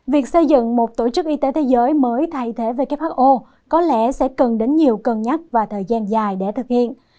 việc xây dựng một tổ chức y tế thế giới mới thay thế who có lẽ sẽ cần đến nhiều cân nhắc và thời gian dài để thực hiện